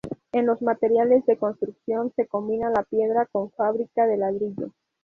En los materiales de construcción, se combina la piedra con fábrica de ladrillo.